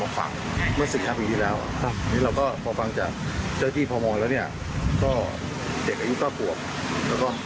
ก็ยังไม่เห็นจริงว่าสักทีเราต้องไปสู่ท่าบต่อว่า